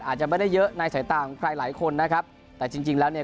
อาจจะไม่ได้เยอะในสายตาของใครหลายคนนะครับแต่จริงจริงแล้วเนี่ย